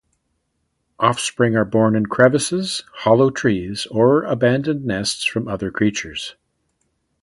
Offspring are born in crevices, hollow trees, or abandoned nests from other creatures.